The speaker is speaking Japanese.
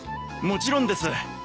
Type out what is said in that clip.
もちろんです。